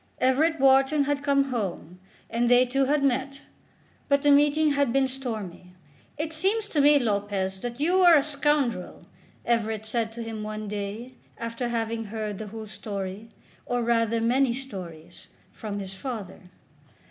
Everett Wharton had come home, and they two had met; but the meeting had been stormy. "It seems to me, Lopez, that you are a scoundrel," Everett said to him one day after having heard the whole story, or rather many stories, from his father.